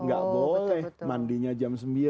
gak boleh mandinya jam sembilan